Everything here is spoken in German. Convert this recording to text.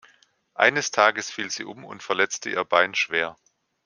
Eines Tages fiel sie um und verletzte ihr Bein schwer.